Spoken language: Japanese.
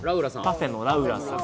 パフェのラウラさん・